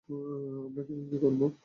আমরা এখন কি করবো?